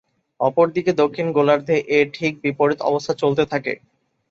অপরদিকে দক্ষিণ গোলার্ধে এর ঠিক বিপরীত অবস্থা চলতে থাকে।